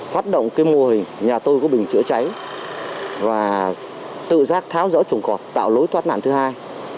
phát động mô hình nhà tôi có bình chữa cháy và tự giác tháo rỡ trùng cọt tạo lối toát nạn thứ hai